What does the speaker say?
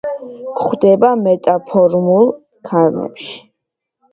გვხვდება მეტამორფულ ქანებში.